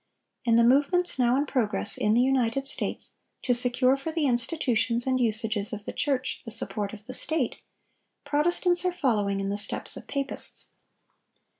In the movements now in progress in the United States to secure for the institutions and usages of the church the support of the state, Protestants are following in the steps of papists.